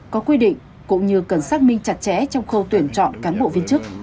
có quy định cũng như cần xác minh chặt chẽ trong khâu tuyển chọn cán bộ viên chức